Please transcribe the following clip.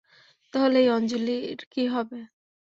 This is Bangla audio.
তাহলে এই আঞ্জলির কী হবে?